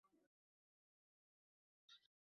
এই ধান বাংলাদেশের উপকূলীয় অঞ্চলের জন্য অধিক উপযোগী হবে।